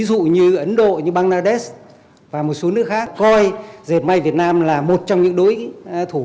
ví dụ như ấn độ như bangladesh và một số nước khác coi dệt may việt nam là một trong những đối thủ